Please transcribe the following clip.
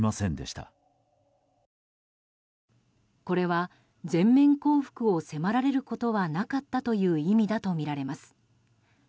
これは、全面降伏を迫られることはなかったという意味だとみられます。